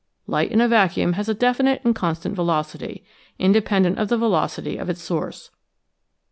Light in a vacuum has a definite and constant velocity, independent of the velocity of its source.